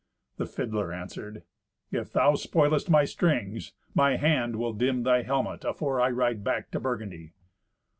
The fiddler answered, "If thou spoilest my strings, my hand will dim thy helmet afore I ride back to Burgundy."